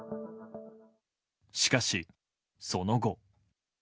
しかし、その後。